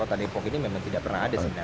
kota depok ini memang tidak pernah ada sebenarnya